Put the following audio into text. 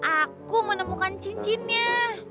aku mau nemukan cincinnya